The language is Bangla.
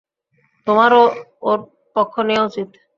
তোমারও ওর পক্ষ নেয়া উচিত।